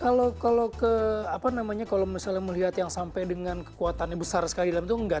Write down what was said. kalau ke apa namanya kalau misalnya melihat yang sampai dengan kekuatannya besar sekali dalam itu enggak